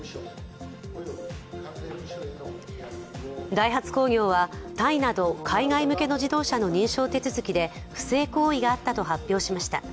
ダイハツ工業はタイなど海外向けの自動車の認証手続で不正行為があったと発表しました。